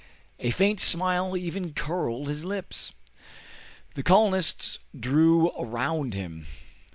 A faint smile even curled his lips. The colonists drew around him.